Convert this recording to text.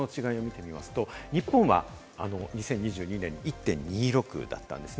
その違いを見てみますと、日本は２０２２年に１．２６だったんです。